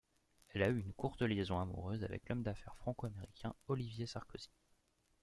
Elle a eu une courte liaison amoureuse avec l'homme d'affaires franco-américain Olivier Sarkozy.